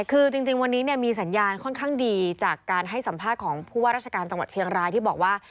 คือจริงวันนี้มีสัญญาณค่อนข้างดีจากการให้สัมภาษณ์ของผู้ว่าราชการจังหวัดเชียงรายที่บอกว่า